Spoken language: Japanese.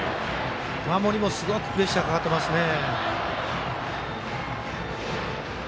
守りもすごくプレッシャーかかってますね。